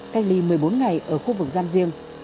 cách ly một mươi bốn ngày ở khu vực giam riêng